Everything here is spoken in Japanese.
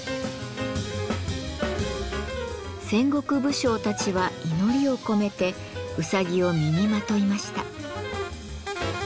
戦国武将たちは祈りを込めてうさぎを身にまといました。